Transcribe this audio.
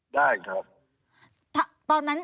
ได้ครับ